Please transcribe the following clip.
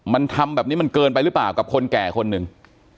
มันทำแบบนี้มันเกินไปหรือเปล่ากับคนแก่คนหนึ่ง